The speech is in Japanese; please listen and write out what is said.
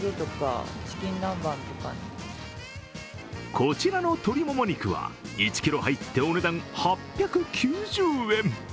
こちらの鶏もも肉は１ｋｇ入ってお値段８９０円。